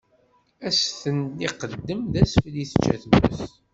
Ad s-ten-iqeddem d asfel i tečča tmes.